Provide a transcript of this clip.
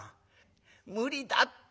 無理だって。